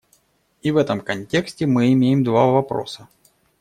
И в этом контексте мы имеем два вопроса.